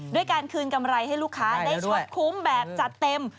ด้วยการคืนกำไรให้ลูกค้าได้ชวดคุ้มแบบจัดเต็ม